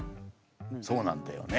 そうなんだよね。